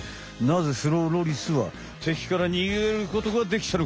なぜスローロリスは敵から逃げることができたのか？